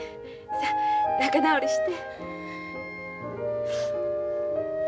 さあ仲直りして。